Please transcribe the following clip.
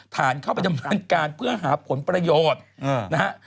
ฐานเข้าไปดำเนินการเพื่อหาผลประโยชน์นะฮะ